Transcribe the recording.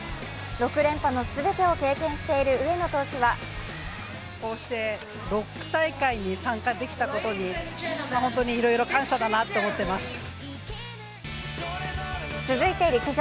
６連覇の全てを経験している上野投手は続いて陸上。